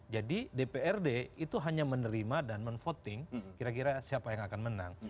jadi dprd itu hanya menerima dan menvoting kira kira siapa yang akan menang